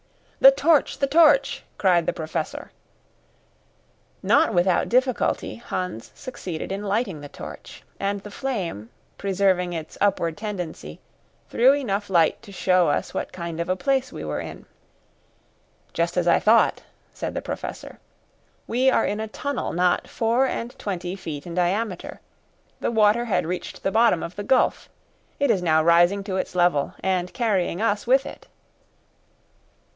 "The torch! The torch!" cried the Professor. Not without difficulty Hans succeeded in lighting the torch; and the flame, preserving its upward tendency, threw enough light to show us what kind of a place we were in. "Just as I thought," said the Professor "We are in a tunnel not four and twenty feet in diameter. The water had reached the bottom of the gulf. It is now rising to its level, and carrying us with it."